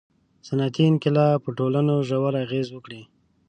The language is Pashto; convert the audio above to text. • صنعتي انقلاب په ټولنو ژورې اغېزې وکړې.